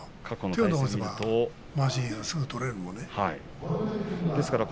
手を伸ばせばまわし、すぐ取れますからね。